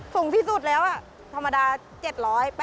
สูงที่สุดแล้วธรรมดา๗๐๐บาท